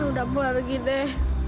ini udah mula pergi deh